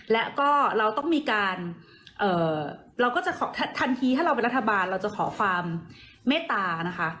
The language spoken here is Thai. และก็เราต้องมีการเราก็จะขอทันทีถ้าเราเป็นรัฐบาลเราจะขอความเมตตานะคะ